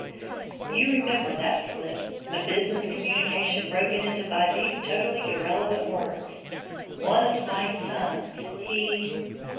You remember that slip; a business communication broken into by these totally irrelevant words, "one of my sons He".